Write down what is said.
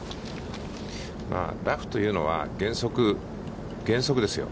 ラフというのは、原則、原則ですよ？